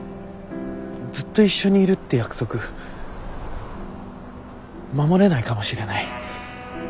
ずっと一緒にいるって約束守れないかもしれない。